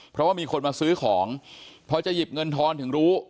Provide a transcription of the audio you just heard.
เพราะว่ามีคนมาซื้อของพอจะหยิบเงินทอนถึงรู้